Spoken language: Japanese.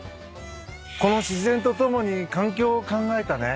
この自然と共に環境を考えたね